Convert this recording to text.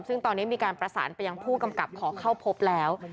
ซึ่งตอนนี้มีการประสานไปยังผู้กำกับขอเข้าพบแล้ว